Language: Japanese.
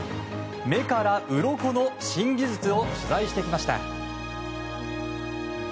目からうろこの新技術を取材してきました。